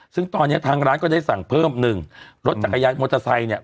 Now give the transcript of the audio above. ซึ่งตอนนี้ทางร้านก็ได้สั่งเพิ่มหนึ่งรถจักรยานมอเตอร์ไซค์เนี่ย